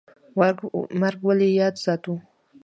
مرګ ولې یاد ساتو؟